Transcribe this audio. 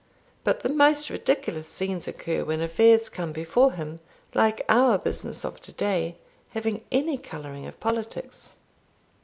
But the most ridiculous scenes occur when affairs come before him, like our business of to day, having any colouring of politics.